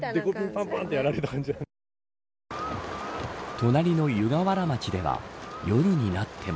隣の湯河原町では夜になっても。